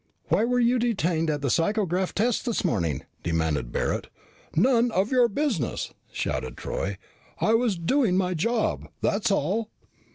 "Why were you detained at the psychograph tests this morning?" demanded Barret. "None of your business!" shouted Troy. "I was doing my job. That's all."